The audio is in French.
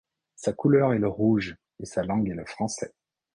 Sa couleur est le rouge, et sa langue est le français.